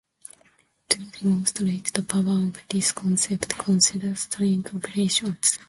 To demonstrate the power of this concept, consider string operations.